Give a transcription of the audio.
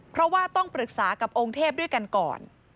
เพราะว่าต้องปรึกษากับองค์เทพด้วยกันก่อน